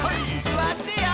「すわってよ」